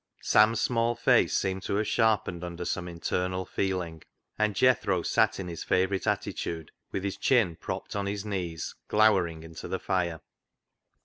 Sam's small face seemed to have sharpened under some internal feeling, and Jethro sat in his favourite attitude, with his chin propped on his knees, glowering into the fire.